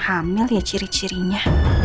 hamil ya ciri cirinya